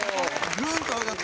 グーンと上がった！